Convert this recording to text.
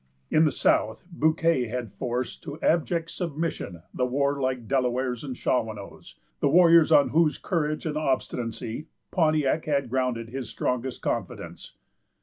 In the south, Bouquet had forced to abject submission the warlike Delawares and Shawanoes, the warriors on whose courage and obstinacy Pontiac had grounded his strongest confidence.